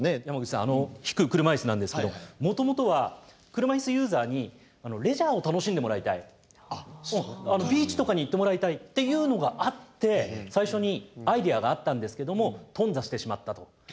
山口さんあの引く車いすなんですけどもともとは車いすユーザーにレジャーを楽しんでもらいたいビーチとかに行ってもらいたいっていうのがあって最初にアイデアがあったんですけども頓挫してしまったと。